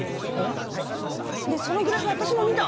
そのグラフ私も見た！